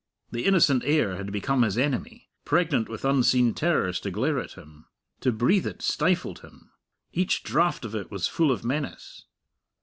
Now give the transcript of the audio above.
The innocent air had become his enemy pregnant with unseen terrors to glare at him. To breathe it stifled him; each draught of it was full of menace.